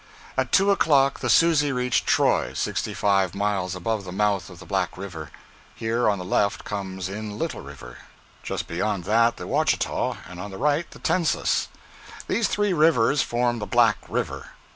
At two o'clock the 'Susie' reached Troy, sixty five miles above the mouth of Black River. Here on the left comes in Little River; just beyond that the Ouachita, and on the right the Tensas. These three rivers form the Black River.